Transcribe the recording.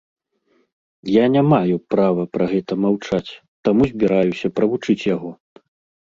Я не маю права пра гэта маўчаць, таму збіраюся правучыць яго.